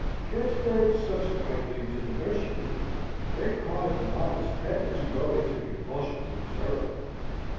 Transferred subsequently to the nursery, they caused Mamma's Pet to go into convulsions of terror.